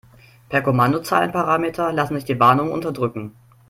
Per Kommandozeilenparameter lassen sich die Warnungen unterdrücken.